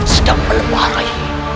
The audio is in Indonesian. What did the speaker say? sedang melemah rai